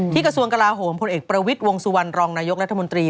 กระทรวงกลาโหมพลเอกประวิทย์วงสุวรรณรองนายกรัฐมนตรี